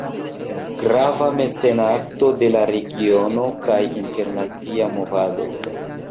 Grava mecenato de la regiona kaj internacia movado.